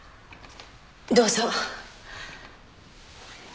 どうぞ。